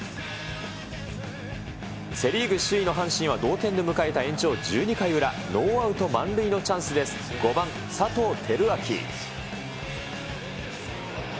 セ・リーグ首位の阪神は同点で迎えた延長１２回裏、ノーアウト満塁のチャンスで５番佐藤輝明。